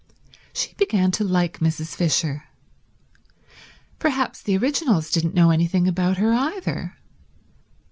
She began to like Mrs. Fisher. Perhaps the originals didn't know anything about her either.